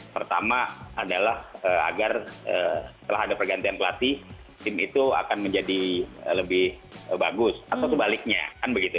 pertama adalah agar setelah ada pergantian pelatih tim itu akan menjadi lebih bagus atau sebaliknya kan begitu